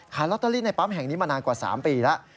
ลอตเตอรี่ในปั๊มแห่งนี้มานานกว่า๓ปีแล้ว